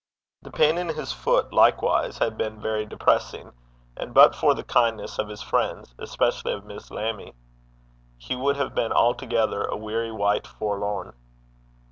The pain in his foot, likewise, had been very depressing; and but for the kindness of his friends, especially of Miss Lammie, he would have been altogether 'a weary wight forlorn.'